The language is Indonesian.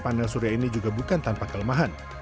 panel surya ini juga bukan tanpa kelemahan